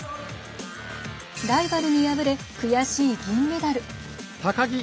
ライバルに敗れ、悔しい銀メダル。